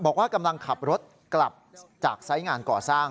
บอกว่ากำลังขับรถกลับจากไซส์งานก่อสร้าง